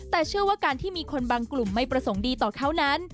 แต่เชื่อว่าการที่มีคนบางกลุ่มไม่ประสงค์ดีต่อเขานั้น